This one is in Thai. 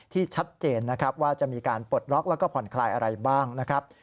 ชัดเจนนะครับว่าจะมีการปลดล็อกแล้วก็ผ่อนคลายอะไรบ้างนะครับ